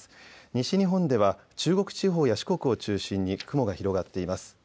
西日本では中国地方や四国を中心に雲が広がっています。